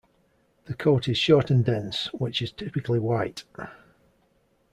The coat is short and dense, which is typically white.